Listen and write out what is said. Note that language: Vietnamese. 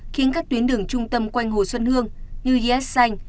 khiến các tuyến đường trung tâm quanh hồ xuân hương như d s xanh